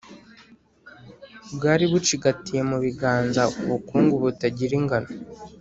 bwari bucigatiye mu biganza ubukungu butagira ingano.